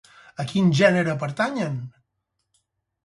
A quin gènere pertanyen?